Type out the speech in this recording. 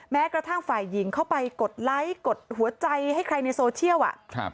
แม้กระทั่งฝ่ายหญิงเข้าไปกดไลค์กดหัวใจให้ใครในโซเชียล